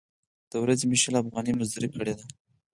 د ورځې مې شل افغانۍ مزدورۍ کړې ده.